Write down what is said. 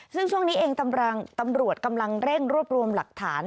ซึ่งช่วงนี้เองตำรวจกำลังเร่งรวบรวมหลักฐาน